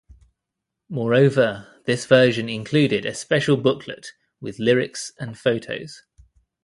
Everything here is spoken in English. Moreover, this version included a special booklet with lyrics and photos.